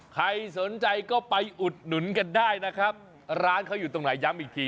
ใครสนใจก็ไปอุดหนุนกันได้นะครับร้านเขาอยู่ตรงไหนย้ำอีกที